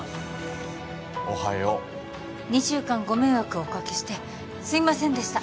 おはよう２週間ご迷惑をおかけしてすいませんでした